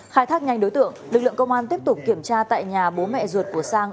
khai thác nhanh đối tượng lực lượng công an tiếp tục kiểm tra tại nhà bố mẹ ruột của sang